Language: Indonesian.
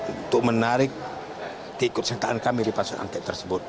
untuk menarik tikut sentuhan kami di pansus angket tersebut